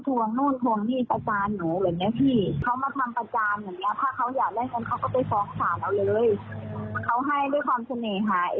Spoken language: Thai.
ที่จะไปมองกับใครง่ายแล้วไปหลอกมันเขา